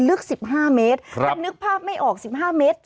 ลึก๑๕เมตรถ้านึกภาพไม่ออก๑๕เมตร